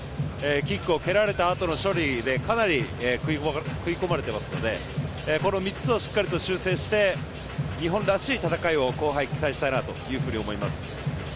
キックを蹴られたあとの処理でかなり、食い込まれていますのでこの３つをしっかり修正して日本らしい戦いを後半、期待したいと思います。